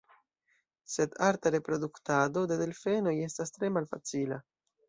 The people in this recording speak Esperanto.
Sed arta reproduktado de delfenoj estas tre malfacila.